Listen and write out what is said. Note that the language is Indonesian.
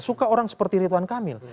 suka orang seperti ridwan kamil